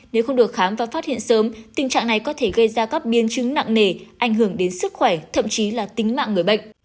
nếu không được khám và phát hiện sớm tình trạng này có thể gây ra các biến chứng nặng nề ảnh hưởng đến sức khỏe thậm chí là tính mạng người bệnh